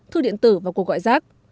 thư điện tử và cô gọi rác